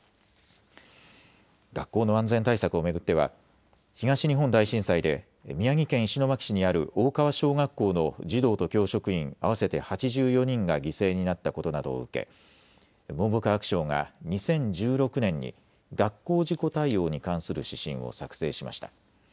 学校の安全対策を巡っては東日本大震災で宮城県石巻市にある大川小学校の児童と教職員合わせて８４人が犠牲になったことなどを受け文部科学省が２０１６年に学校事故対応に関する指針を作成しました。